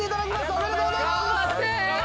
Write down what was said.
おめでとうございます！頑張って！